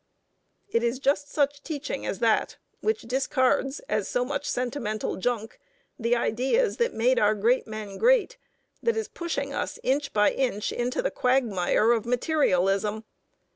'" It is just such teaching as that, which discards as so much sentimental junk the ideas that made our great men great, that is pushing us inch by inch into the quagmire of materialism.